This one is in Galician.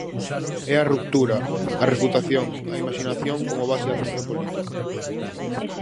É a ruptura, a refutación, a imaxinación, como base da ciencia política.